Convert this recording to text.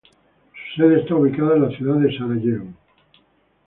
Su sede está ubicada en la ciudad de Sarajevo.